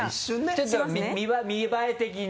ちょっと見栄え的に。